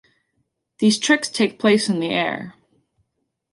These tricks take place in the air.